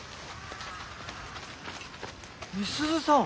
美鈴さん！